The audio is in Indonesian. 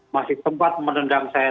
masih tempat menendang saya